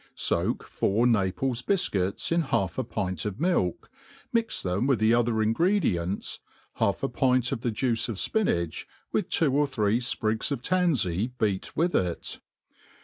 Soak four Naples bi&uits in half a pint of milk, mix them with the otbef ingredients, half a pint of the juice of fpinach, with two or three fprigs of tanfey beat with it.